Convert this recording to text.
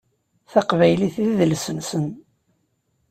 Taqbaylit d idles-nsen.